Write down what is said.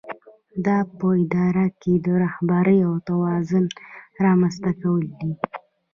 دا په اداره کې د رهبرۍ او توازن رامنځته کول دي.